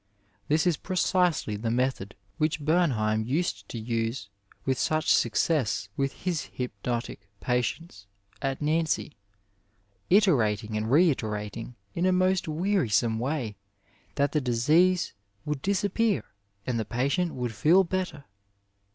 This is precisely the method which Bemheim used to use with such success with his hypnodtic patients at Nancy, iterating and reiterating, in a most wearisome way, that the disease would disappear and the patient would feel better.